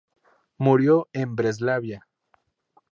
Murió en Breslavia.